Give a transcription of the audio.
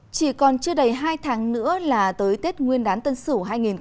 chỉ còn chưa đầy hai tháng nữa là tới tết nguyên đán tân sửu hai nghìn hai mươi một